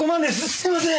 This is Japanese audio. すみません！